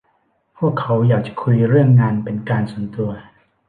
พวกเขาอยากจะคุยเรื่องงานเป็นการส่วนตัว